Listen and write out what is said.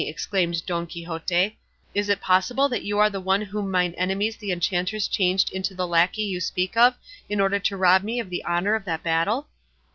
exclaimed Don Quixote; "is it possible that you are the one whom mine enemies the enchanters changed into the lacquey you speak of in order to rob me of the honour of that battle?"